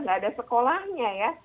nggak ada sekolahnya ya